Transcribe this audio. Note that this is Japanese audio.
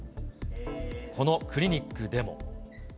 このクリニックでも。